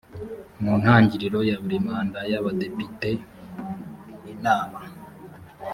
mu ntangiriro ya buri manda y abadepite inama